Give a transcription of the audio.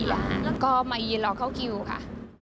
แล้วก็มายืนรอเข้าคิวค่ะ